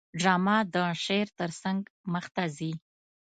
ډرامه د شعر ترڅنګ مخته ځي